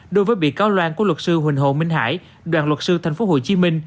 đối với bị cáo loan của luật sư huỳnh hồ minh hải đoàn luật sư tp hcm